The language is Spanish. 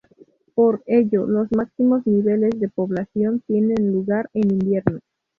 Por ello, los máximos niveles de población tienen lugar en invierno.